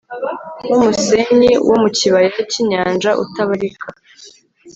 nk umusenyi wo mu kibaya cy inyanja utabarika